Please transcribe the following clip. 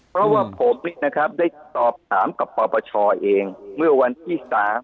เพราะว่าผมนี่นะครับได้ตอบถามกับปประชาเองเมื่อวันที่๓